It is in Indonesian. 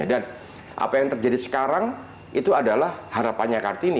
dan apa yang terjadi sekarang itu adalah harapannya kartini